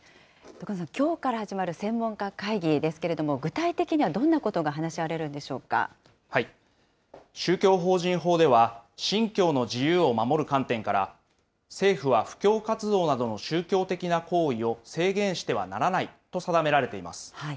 戸叶さん、きょうから始まる専門家会議ですけれども、具体的にはどんなこと宗教法人法では、信教の自由を守る観点から、政府は布教活動などの宗教的な行為を制限してはならないと定められています。